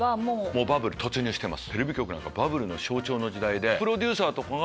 もうバブル突入してます。